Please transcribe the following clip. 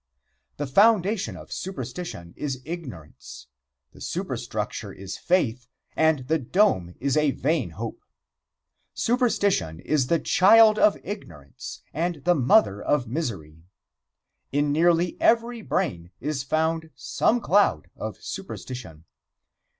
The foundation of superstition is ignorance, the superstructure is faith and the dome is a vain hope. Superstition is the child of ignorance and the mother of misery. In nearly every brain is found some cloud of superstition.